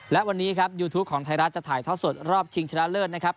และวันนี้ครับยูทูปของไทยรัฐจะถ่ายทอดสดรอบชิงชนะเลิศนะครับ